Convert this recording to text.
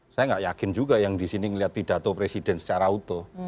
saya nggak yakin juga yang disini melihat pidato presiden secara utuh